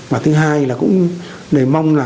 và thứ hai là cũng để mong là